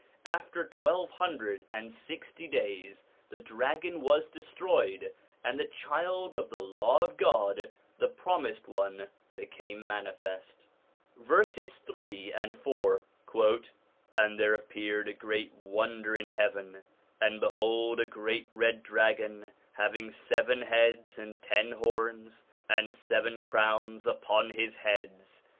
After twelve hundred and sixty days the dragon was destroyed, and the child of the Law of God, the Promised One, became manifest. Verses 3 and 4. ' And there appeared a great wonder in heaven, and behold a great red dragon, having seven heads and ten horns and seven crowns upon his heads.